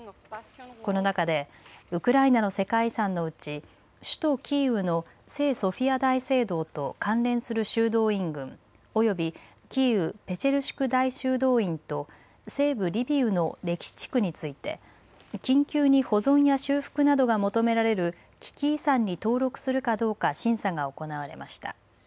この中でウクライナの世界遺産のうち首都キーウの聖ソフィア大聖堂と関連する修道院群、およびキーウ・ペチェルシク大修道院と西部リビウの歴史地区について緊急に保存や修復などが求められる危機遺産に登録するかどうか審査が行われました。